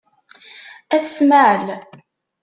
Ayt Smaεel.